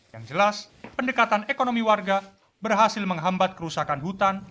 yang jelas pendekatan ekonomi warga berhasil menghambat kerusakan hutan